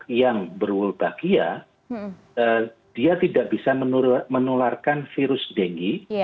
nyamuk yang berwolbachia dia tidak bisa menularkan virus dengih